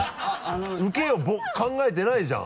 ウケを考えてないじゃん。